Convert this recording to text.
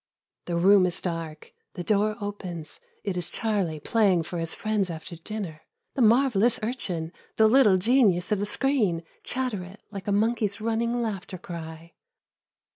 The room is dark. The door opens. It is Charlie playing for his friends after dinner, " the marvelous urchin, the little genius of the screen," (chatter it like a monkey's running laughter cry.)